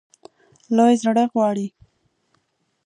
لوی زړه غواړي.